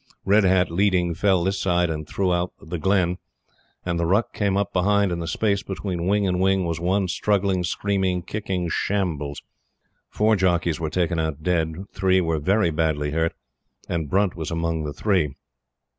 Red Hat, leading, fell this side, and threw out The Glen, and the ruck came up behind and the space between wing and wing was one struggling, screaming, kicking shambles. Four jockeys were taken out dead; three were very badly hurt, and Brunt was among the three.